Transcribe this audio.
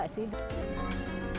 lili mengingatkan keadaan melati